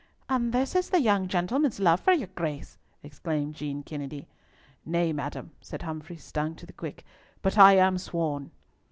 "And this is the young gentleman's love for your Grace!" exclaimed Jean Kennedy. "Nay, madam," said Humfrey, stung to the quick, "but I am sworn!"